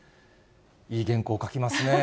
いい原稿書きますね。